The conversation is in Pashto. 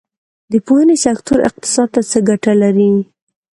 د پوهنې سکتور اقتصاد ته څه ګټه لري؟